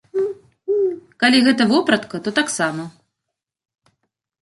Калі гэта вопратка, то таксама.